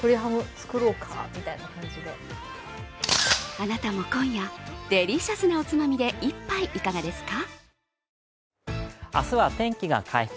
あなたも今夜、デリシャスなおつまみで一杯いかがですか？